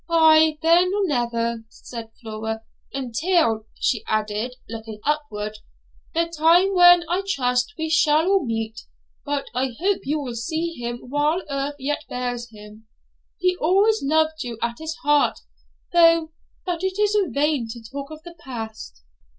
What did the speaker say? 'Ay, then or never,' said Flora, 'until' she added, looking upward 'the time when, I trust, we shall all meet. But I hope you will see him while earth yet bears him. He always loved you at his heart, though but it is vain to talk of the past.'